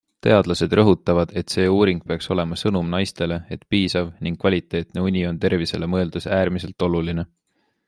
Teadlased rõhutavad, et see uuring peaks olema sõnum naistele, et piisav ning kvaliteetne uni on tervisele mõeldes äärmiselt oluline.